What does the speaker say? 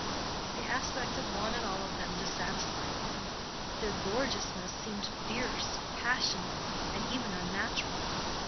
The aspect of one and all of them dissatisfied him; their gorgeousness seemed fierce, passionate, and even unnatural.